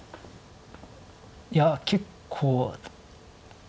いや結構。